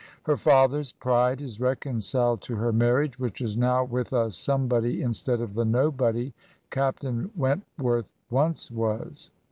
Her father's pride is reconciled to her marriage, which is now with a somebody instead of the nobody Captain Wentworth once was.